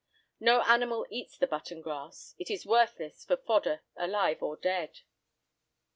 No animal eats the button grass; it is worthless for fodder alive or dead.